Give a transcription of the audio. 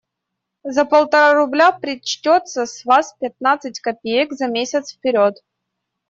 За полтора рубля причтется с вас пятнадцать копеек, за месяц вперед.